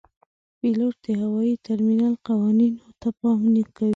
پیلوټ د هوايي ترمینل قوانینو ته پام کوي.